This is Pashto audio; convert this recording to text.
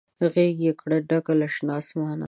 غیږ یې کړه ډکه له شنه اسمانه